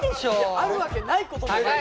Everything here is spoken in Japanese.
あるわけないこともないだろ。